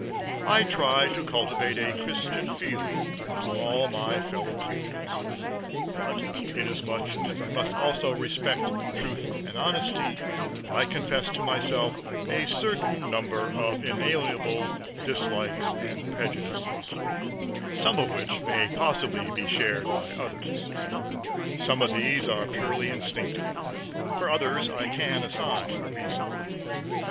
I try to cultivate a Christian feeling to all my fellow creatures, but inasmuch as I must also respect truth and honesty, I confess to myself a certain number of inalienable dislikes and prejudices, some of which may possibly be shared by others. Some of these are purely instinctive, for others I can assign a reason.